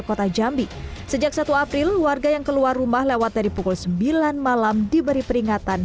kota jambi sejak satu april warga yang keluar rumah lewat dari pukul sembilan malam diberi peringatan